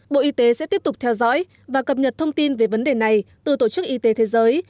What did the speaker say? bộ y tế sẽ tiếp tục theo dõi và cập nhật thông tin về vấn đề này từ tổ chức y tế thế giới